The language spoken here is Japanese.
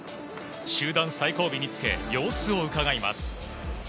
集団最後尾につけ様子をうかがいます。